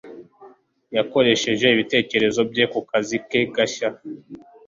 Yakoresheje ibitekerezo bye ku kazi ke gashya.